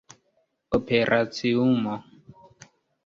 operaciumo